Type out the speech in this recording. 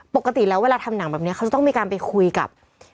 ปกติแล้วเวลาทำหนังแบบนี้เขาจะต้องมีการไปคุยกับ